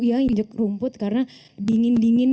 ya injak rumput karena dingin dingin